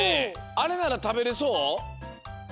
あれならたべれそう？